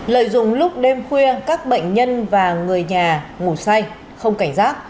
lợi dụng lúc đêm khuya các bệnh nhân và người nhà ngủ say không cảnh giác